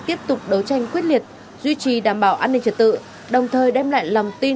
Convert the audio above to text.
tiếp tục đấu tranh quyết liệt duy trì đảm bảo an ninh trật tự đồng thời đem lại lòng tin trong quần chúng nhân dân